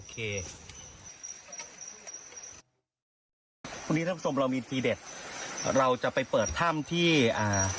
วันนี้ท่านผู้ชมเรามีทีเด็ดเราจะไปเปิดถ้ำที่อ่า